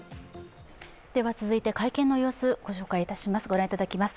続いて会見の様子、ご覧いただきます。